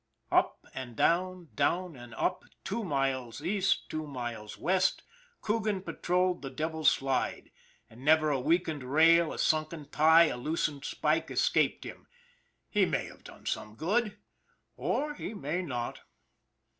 Up and down, down and up, two miles east, two miles west, Coogan patroled the Devil's Slide, and never a weakened rail, a sunken tie, a loosened spike escaped him he may have done some good, or he may not.